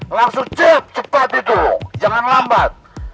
langsung cepat cepat itu jangan lambat